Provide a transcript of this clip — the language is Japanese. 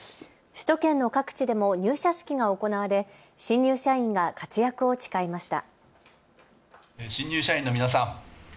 首都圏の各地でも入社式が行われ新入社員が活躍を誓いました。